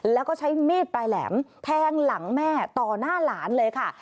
แล้วก็ใช้มีดปลายแหลมแทงหลังแม่ต่อหน้าหลานเลยค่ะ